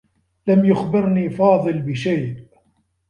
لم يخبرني فاضل بشيء.